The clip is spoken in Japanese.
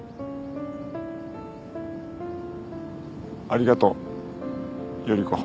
ありがとう依子